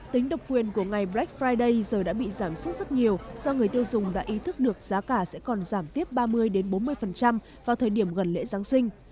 tính độc quyền của ngày black friday giờ đã bị giảm suốt rất nhiều do người tiêu dùng đã ý thức được giá cả sẽ còn giảm tiếp ba mươi bốn mươi vào thời điểm gần lễ giáng sinh